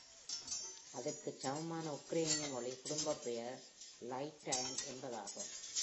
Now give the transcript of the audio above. அதற்கு சமமான உக்ரேனிய மொழி குடும்பப்பெயர் Lytvyn என்பதாகும்.